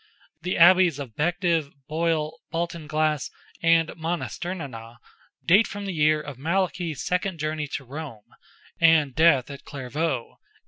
The Abbeys of Bective, Boyle, Baltinglass, and Monasternenagh, date from the year of Malachy's second journey to Rome, and death at Clairvaux—A.